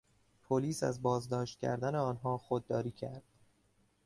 پلیس از بازداشت کردن آنها خودداری کرد.